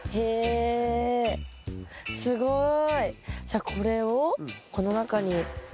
えすごい。